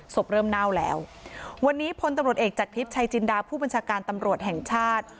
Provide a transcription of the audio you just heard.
ศพเริ่มเน่าแล้ววันนี้พลตำรวจเอกจากทริปชัยจินดาผู้บัญชาการตำรวจแห่งชาติ